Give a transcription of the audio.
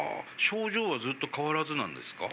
症状はずっと変わらずなんですか？